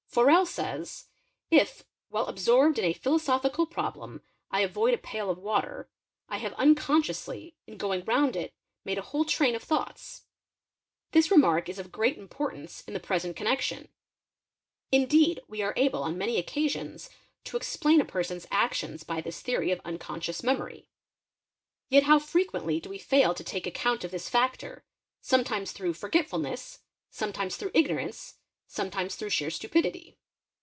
Forel says: "If, while absorbed in a philosophical problem, I avoid a pail of water, I have unconsciously in going round it made a whole train of thoughts.' This remark is of great importance in the present con nection. Indeed we are able on many occasions to explain a person's | actions by this theory of unconscious memory. Yet how frequently do we fail to take account of this factor, sometimes through forgetful ness, sometimes through ignorance, sometimes through sheer stupidity.